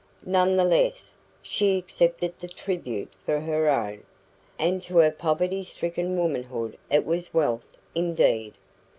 None the less, she accepted the tribute for her own, and to her poverty stricken womanhood it was wealth indeed.